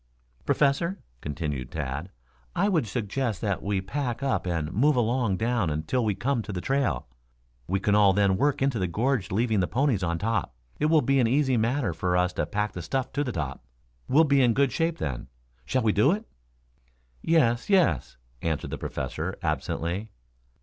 "Professor," continued Tad, "I would suggest that we pack up and move along down until we come to the trail. We can all then work into the gorge leaving the ponies on top. It will be an easy matter for us to pack the stuff to the top. We'll be in good shape then. Shall we do it?" "Yes, yes," answered the Professor absently.